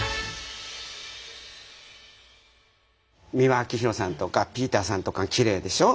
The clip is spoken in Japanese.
美輪明宏さんとかピーターさんとかきれいでしょう。